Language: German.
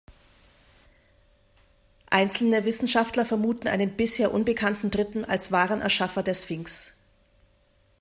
Einzelne Wissenschaftler vermuten einen bisher unbekannten Dritten als wahren Erschaffer der Sphinx.